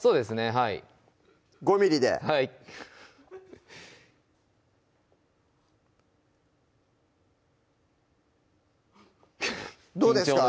はい５ｍｍではいどうですか？